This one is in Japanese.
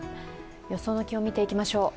予想の気温、見ていきましょう。